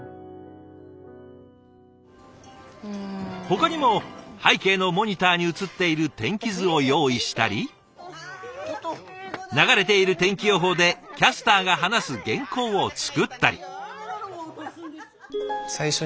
ほかにも背景のモニターに映っている天気図を用意したり流れている天気予報でキャスターが話す原稿を作ったり。